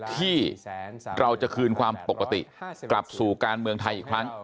ที่เราจะคืนความปกติกลับสู่การเมืองไทยอีกครั้ง